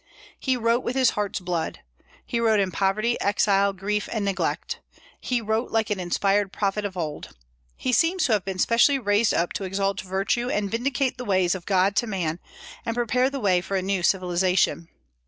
"He wrote with his heart's blood;" he wrote in poverty, exile, grief, and neglect; he wrote like an inspired prophet of old. He seems to have been specially raised up to exalt virtue, and vindicate the ways of God to man, and prepare the way for a new civilization.